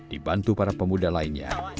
dibantu para pemuda lainnya